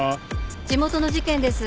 地元の事件です。